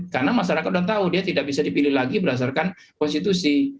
karena masyarakat sudah tahu dia tidak bisa dipilih lagi berdasarkan konstitusi